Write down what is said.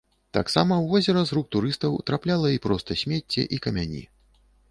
Таксама ў возера з рук турыстаў трапляла і проста смецце, і камяні.